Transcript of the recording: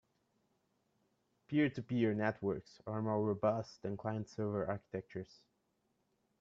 Peer-to-peer networks are more robust than client-server architectures.